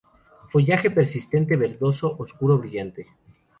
Follaje persistente, verdoso oscuro brillante.